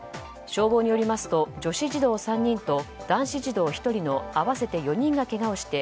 消防によりますと女子児童３人と男子児童１人の合わせて４人がけがをして